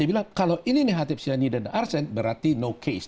dia bilang kalau ini negatif cyanida dan arsen berarti no case